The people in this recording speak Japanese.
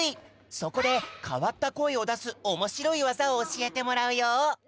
そこでかわったこえをだすおもしろいわざをおしえてもらうよ。